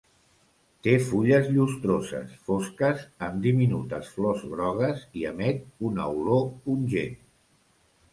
Té fulles llustroses, fosques amb diminutes flors grogues, i emet una olor pungent.